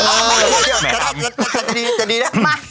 พ่มโผออกมาจากฉาก